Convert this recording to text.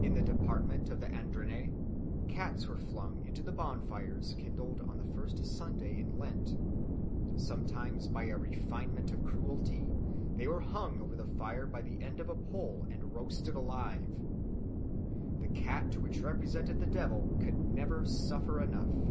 In the department of the Ardennes cats were flung into the bonfires kindled on the first Sunday in Lent; sometimes, by a refinement of cruelty, they were hung over the fire from the end of a pole and roasted alive. "The cat, which represented the devil, could never suffer enough."